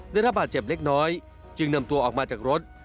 ได้รับบาดเจ็บเล็กน้อยจึงนำตัวออกมาจากรถ